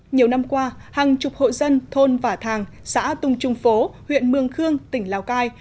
nhiều năm qua hàng chục hộ dân thôn vả thàng xã tung trung phố huyện mường khương tỉnh lào cai